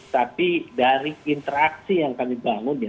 tapi dari interaksi yang kami bangun ya